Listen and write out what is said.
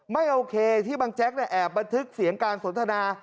ไม่โอเคที่บางแจ๊กแอบบันทึกเสียงการสนทนา